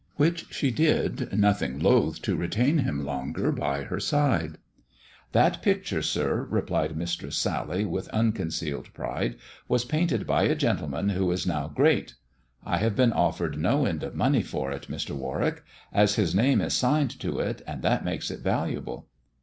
Which she did, nothing loth to retain him longer by her side. 18 THE dwarf's chamber That picture, sir," replied Mistress Sally, with uncon cealed pride, " was painted by a gentleman who is now great. I have been offered no end of money for it, Mr. Warwick, as his name is signed to it, and that makes it valuable."